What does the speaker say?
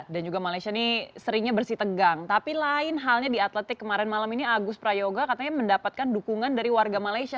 dan juga malaysia ini seringnya bersih tegang tapi lain halnya di atletik kemarin malam ini agus prayoga katanya mendapatkan dukungan dari warga malaysia